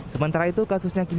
sementara itu kasusnya kinerja